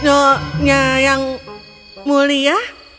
oh ya yang mulia